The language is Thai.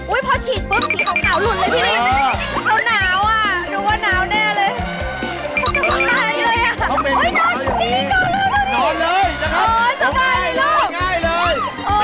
อุ๊ยพอฉีดปุ๊บขี้ของขาวหลุดเลยพี่